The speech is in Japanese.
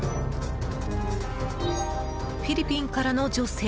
フィリピンからの女性。